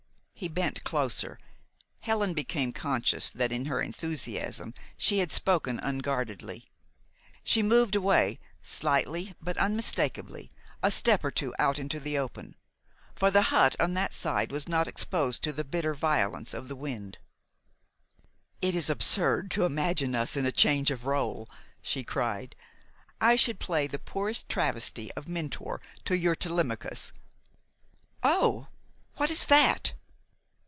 He bent closer. Helen became conscious that in her enthusiasm she had spoken unguardedly. She moved away, slightly but unmistakably, a step or two out into the open, for the hut on that side was not exposed to the bitter violence of the wind. "It is absurd to imagine us in a change of rôle," she cried. "I should play the poorest travesty of Mentor to your Telemachus. Oh! What is that?"